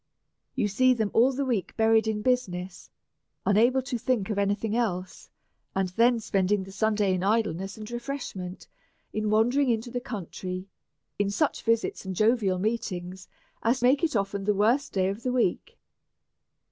You see them all the week buried in busi ness^ unable to think of any thing else, and then spending* the Sunday in idleness and refreshment, in wandering into the country, in such visits and jovial meetings as make it often the worst day of the week.